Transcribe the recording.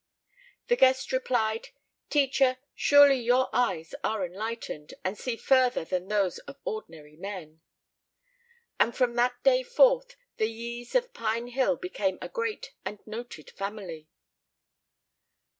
The guest replied, "Teacher, surely your eyes are enlightened, and see further than those of ordinary men." From that day forth the Yis of Pine Hill became a great and noted family.